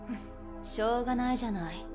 しょうがないじゃない。